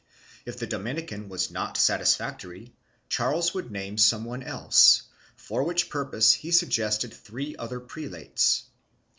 If the Dominican was not satisfactory, Charles could name some one else, for which purpose he suggested three other prelates.